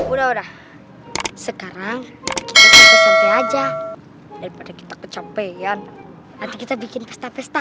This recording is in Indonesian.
udah udah sekarang aja kita kecapean kita bikin pesta pesta